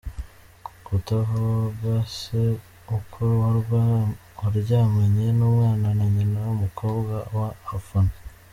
Kutavugaseukowaryamanye numwana na nyina umukobwa aw fanny